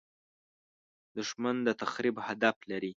دښمن د تخریب هدف لري